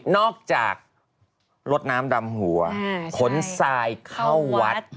นอกจากลดน้ำดำหัวขนทรายเข้าวัด